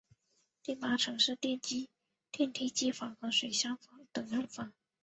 第八层是电梯机房和水箱等用房。